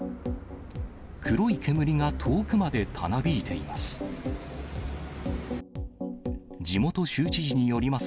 黒い煙が遠くまでたなびいています。